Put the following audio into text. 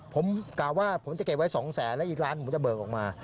ผมกล่าวว่าผมจะเก็บไว้๒แสนแล้วอีกล้านผมจะเบิกออกมา